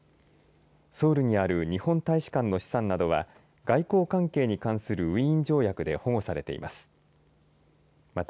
ソウルにある日本大使館の資産などは外交関係に関するウィーン条約で保護されています。